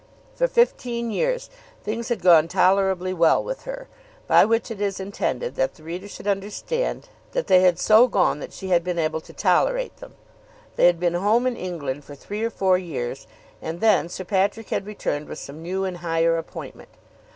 For fifteen years things had gone tolerably well with her, by which it is intended that the reader should understand that they had so gone that she had been able to tolerate them. They had been home in England for three or four years, and then Sir Patrick had returned with some new and higher appointment.